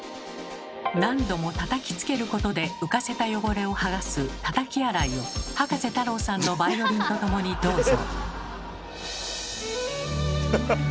何度もたたきつけることで浮かせた汚れをはがすたたき洗いを葉加瀬太郎さんのバイオリンとともにどうぞ。